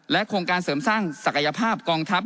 โครงการเสริมสร้างศักยภาพกองทัพ